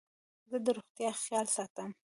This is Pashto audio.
زه د روغتیا خیال ساتم.